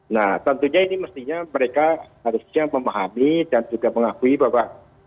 nah tentunya ini mestinya mereka harusnya memahami dan juga mengakui bahwa